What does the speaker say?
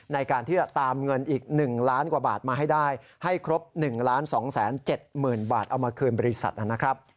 ในการที่จะตามเงินอีก๑ล้านกว่าบาทมาให้ได้ให้ครบ๑๒๗๐๐๐๐บาทเอามาคืนบริษัทนะครับ